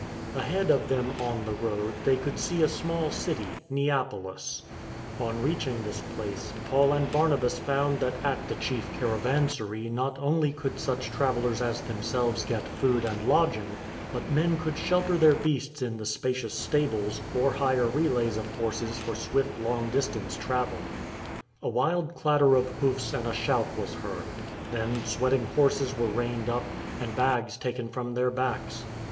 Ahead of them on the road, they could see a small city, Neapolis. On reaching this place, Paul and Bar nabas found that at the chief caravanserai not only could such travellers as themselves get food and lodg ing, but men could shelter their beasts in the spacious stables or hire relays of horses for swift long distance travel. A wild clatter of hoofs and a shout was heard. Then sweating horses were reined up, and bags taken from their backs.